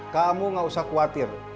kamu gak usah khawatir